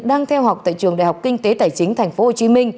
đang theo học tại trường đại học kinh tế tài chính tp hcm